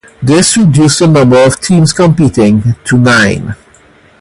This reduced the number of teams competing to nine.